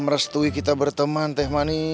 merestui kita berteman teh mani